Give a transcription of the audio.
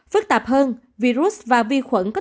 phức tạp hơn virus và vi khuẩn có thể tăng cường